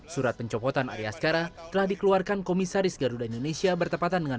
surat pencopotan arya skara telah dikeluarkan komisaris garuda indonesia bertepatan dengan